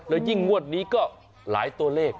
แล้วยิ่งงวดนี้ก็หลายตัวเลข